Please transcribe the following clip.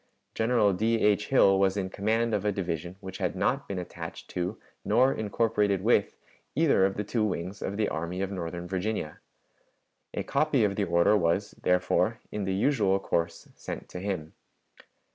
General D. H. Hill was in command of a division which had not been attached to nor incorporated with either of the two wings of the Army of Northern Virginia. A copy of the order was, therefore, in the usual course, sent to him.